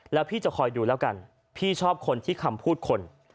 แล้วพี่จะคอยดูแล้วกันพี่ชอบคนที่คำพูดคน